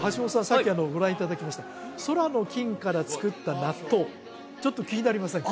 さっきご覧いただきました空の菌から作った納豆ちょっと気になりませんか？